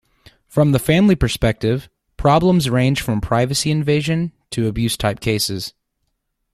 From the family perspective, problems range from privacy invasion to abuse type cases.